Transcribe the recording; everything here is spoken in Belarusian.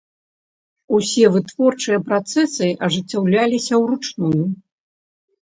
Усе вытворчыя працэсы ажыццяўляліся ўручную.